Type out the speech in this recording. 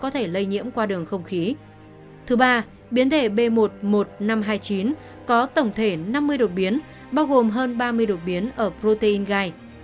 thứ ba biến thể b một mươi một nghìn năm trăm hai mươi chín có tổng thể năm mươi đột biến bao gồm hơn ba mươi đột biến ở protein gai